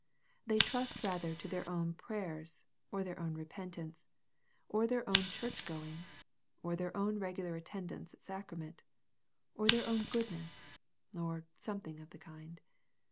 They trust rather to their own prayers, or their own repentance, or their own church going, or their own regular attendance at sacrament, or their own good ness, — or something of the kind.